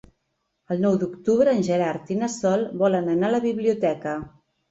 El nou d'octubre en Gerard i na Sol volen anar a la biblioteca.